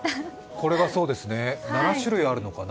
これがそうですね、７種類あるのかな。